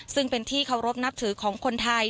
ซึ่งเป็นที่เคารพนับถือของคนไทย